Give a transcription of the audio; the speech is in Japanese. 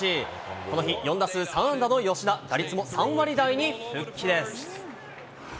この日、４打数３安打の吉田、打率も３割台に復帰です。